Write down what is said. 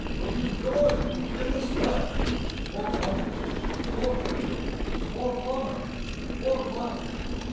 will you join in the strife For country, for freedom, for honor, for life?